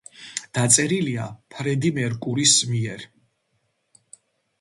დაწერილია ფრედი მერკურის მიერ.